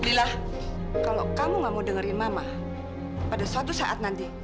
alhamdulillah kalau kamu gak mau dengerin mama pada suatu saat nanti